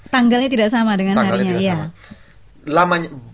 tanggalnya tidak sama dengan harinya